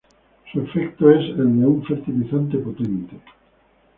Su efecto es el de un fertilizante potente.